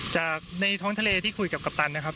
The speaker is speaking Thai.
จากในท้องทะเลที่คุยกับกัปตันนะครับ